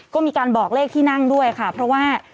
ก็มีการบอกเลขที่นั่งด้วยค่ะเพราะว่า